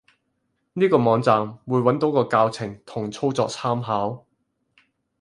呢個網站，會揾到個教程同操作參考